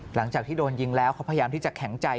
หลังจากที่โดนยิงแล้วเขาพยายามที่จะแข็งใจ